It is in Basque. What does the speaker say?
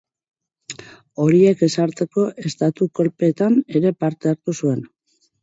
Horiek ezartzeko estatu-kolpeetan ere parte hartu zuen.